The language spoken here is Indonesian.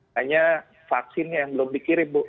hanya vaksinnya yang belum dikirim bu